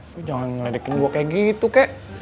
tuh jangan ngeledekin gue kayak gitu kek